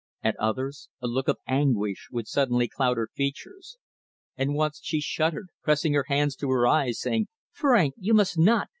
At others a look of anguish would suddenly cloud her features, and once she shuddered, pressing her hands to her eyes, saying "Frank, you must not!